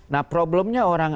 nah problemnya orang